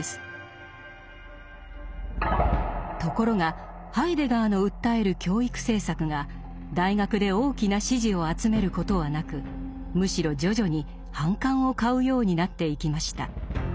ところがハイデガーの訴える教育政策が大学で大きな支持を集めることはなくむしろ徐々に反感を買うようになっていきました。